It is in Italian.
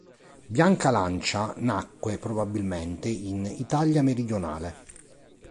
Bianca Lancia nacque, probabilmente, in Italia Meridionale.